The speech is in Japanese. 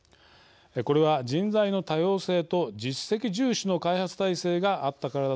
これは人材の多様性と実績重視の開発態勢があったからだと思います。